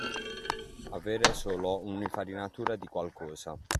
Avere solo un'infarinatura di qualcosa.